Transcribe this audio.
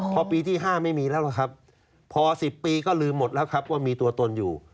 พอปีที่๕ไม่มีแล้วล่ะครับพอ๑๐ปีก็ลืมหมดแล้วครับว่ามีตัวตนอยู่